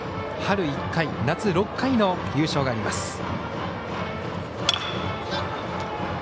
春１回、夏６回の優勝があります。